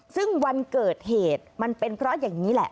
ซึ่งวันเกิดเหตุมันเป็นเพราะอย่างนี้แหละ